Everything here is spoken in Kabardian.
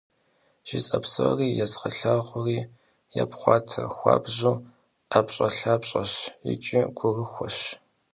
ЖысӀэ псори, езгъэлъагъури епхъуатэ, хуабжьу ӏэпщӏэлъапщӏэщ икӏи гурыхуэщ.